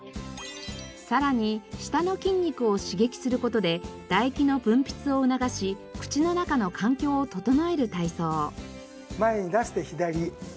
さらに舌の筋肉を刺激する事で唾液の分泌を促し口の中の環境を整える体操。